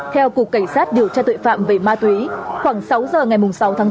theo cục cảnh sát điều tra tội phạm về ma túy khoảng sáu giờ ngày sáu tháng bốn